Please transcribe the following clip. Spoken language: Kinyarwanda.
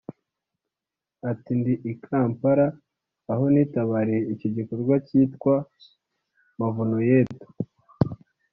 Ati “Ndi i Kampala aho nitabiriye icyo gikorwa cyitwa ‘Mavuno yetu’